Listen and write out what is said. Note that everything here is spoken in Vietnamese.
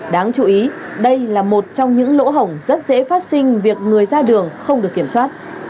đáng chú ý đây là một trong những lỗ hổng rất dễ phát sinh việc người ra đường không được kiểm soát